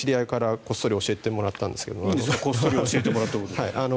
こっそり教えてもらったこと。